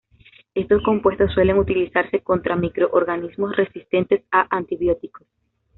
Estos compuestos suelen utilizarse contra microorganismos resistentes a antibióticos.